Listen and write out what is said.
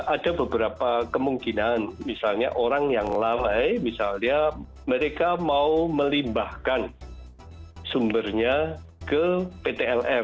ada beberapa kemungkinan misalnya orang yang lalai misalnya mereka mau melimbahkan sumbernya ke pt lm